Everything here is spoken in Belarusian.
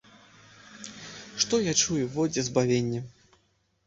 Што я чую, во дзе збавенне.